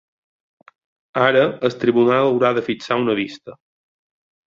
Ara, el tribunal haurà de fixar una vista.